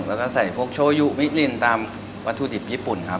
แล้วก็ใส่พวกโชยุมินินตามวัตถุดิบญี่ปุ่นครับ